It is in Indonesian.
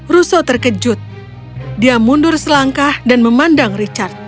russo terkejut dia mundur selangkah dan memandang richard